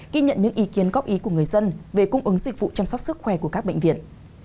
ghi nhận những ý kiến góp ý của người dân về cung ứng dịch vụ chăm sóc sức khỏe của các bệnh viện